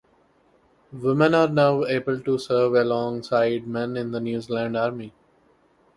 Women were now able to serve alongside men in the New Zealand Army.